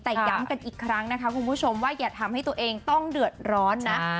แต่ย้ำกันอีกครั้งนะคะคุณผู้ชมว่าอย่าทำให้ตัวเองต้องเดือดร้อนนะ